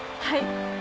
はい。